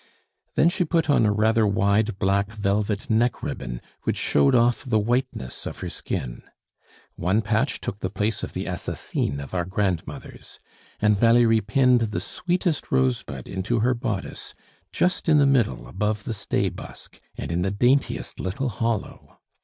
Then she put on a rather wide black velvet neck ribbon, which showed off the whiteness of her skin. One patch took the place of the assassine of our grandmothers. And Valerie pinned the sweetest rosebud into her bodice, just in the middle above the stay busk, and in the daintiest little hollow!